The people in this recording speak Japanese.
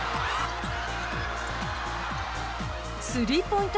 スリーポイント